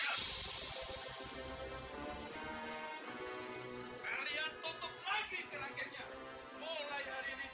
hai kalian tetap lagi kerangkaiannya mulai hari ini